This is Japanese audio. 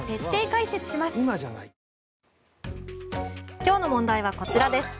今日の問題はこちらです。